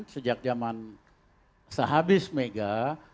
sejak zaman sehabis mega